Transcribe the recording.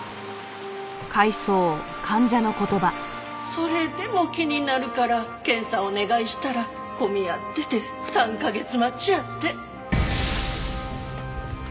それでも気になるから検査をお願いしたら混み合ってて３カ月待ちやって。